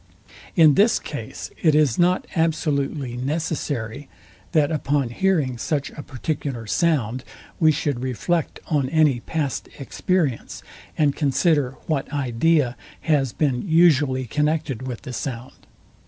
In this case it is not absolutely necessary, that upon hearing such a particular sound we should reflect on any past experience, and consider what idea has been usually connected with the sound.